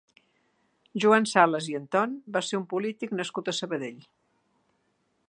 Joan Salas i Anton va ser un polític nascut a Sabadell.